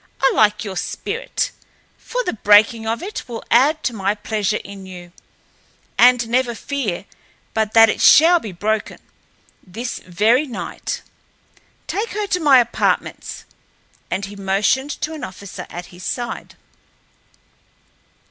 "I like your spirit, for the breaking of it will add to my pleasure in you, and never fear but that it shall be broken—this very night. Take her to my apartments," and he motioned to an officer at his side.